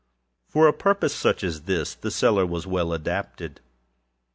For a purpose such as this the cellar was well adapted.